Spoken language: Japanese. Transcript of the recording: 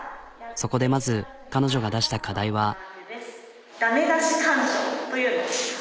そこでまず彼女が出した課題は。